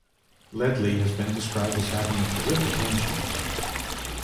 Ledley has been described as having a terrific engine.